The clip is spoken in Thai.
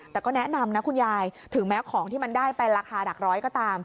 แต่ก็แนะนำนะคุณยายถึงแม้ของที่มันได้ไปราคาหลักร้อยก็ตาม